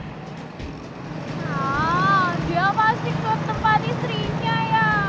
nah dia pasti ke tempat istrinya ya